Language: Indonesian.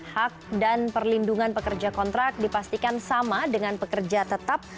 hak dan perlindungan pekerja kontrak dipastikan sama dengan pekerja tetap